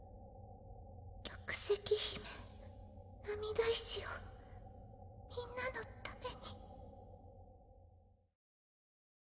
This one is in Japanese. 玉石姫涙石をみんなのために。